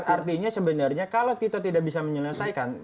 artinya sebenarnya kalau kita tidak bisa menyelesaikan